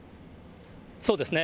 そうですね。